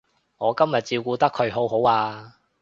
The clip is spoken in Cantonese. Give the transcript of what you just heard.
我今日照顧得佢好好啊